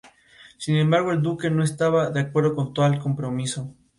Cuando Chris se niega a cumplir.